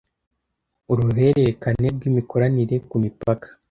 Uruhererekane rw imikoranire ku mipaka